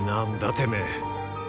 てめえ。